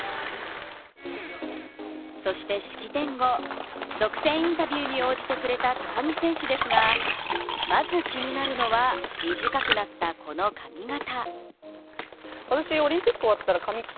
そして式典後、独占インタビューに応じてくれた高木選手ですが、まず気になるのは、短くなったこの髪形。